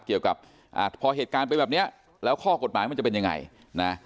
อ่าพอเหตุการณ์เป็นแบบนี้แล้วข้อกฎหมายมันจะเป็นยังไงนะ